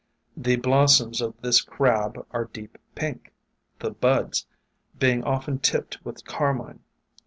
The blossoms of this Crab are deep pink, the buds be ing often tipped with carmine.